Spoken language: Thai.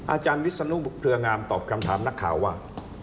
อาจารย์วิศนุเครืองามตอบคำถามนักข่าวว่า